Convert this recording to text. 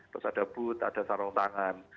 terus ada boot ada sarong tangan